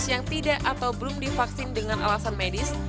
yang tidak atau belum divaksin dengan alasan medis